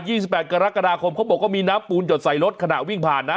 สิบแปดกรกฎาคมเขาบอกว่ามีน้ำปูนหยดใส่รถขณะวิ่งผ่านนะ